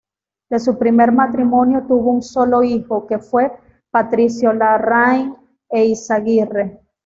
De su primer matrimonio tuvo un solo hijo, que fue Patricio Larraín Eyzaguirre.